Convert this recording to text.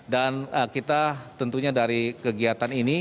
dan kita tentunya dari kegiatan ini